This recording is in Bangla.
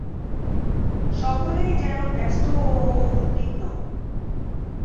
সকলেই যেন ব্যস্ত ও উদ্বিগ্ন।